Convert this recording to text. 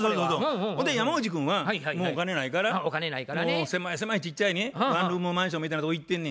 ほんで山内君はもうお金ないからもう狭い狭いちっちゃいねワンルームマンションみたいなとこ行ってんねん。